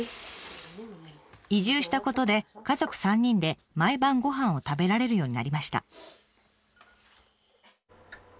移住したことで家族３人で毎晩ごはんを食べられるようになりました。